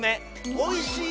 おいしい